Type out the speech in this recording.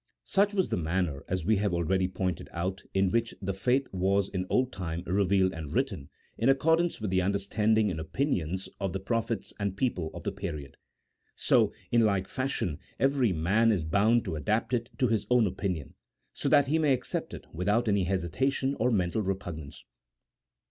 Such was the manner, as we have already pointed out, in which the faith was in old time revealed and written, in accordance with the understanding and opinions of the prophets and people of the period; so, in like fashion, eveiy man is bound to adapt it to his own opinions, so that he may accept it without any hesitation or mental repug nance.